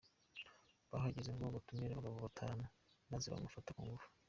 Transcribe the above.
Bahageze ngo batumiye abagabo batanu, maze bamufata ku ngufu.